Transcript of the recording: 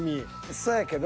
そやけど。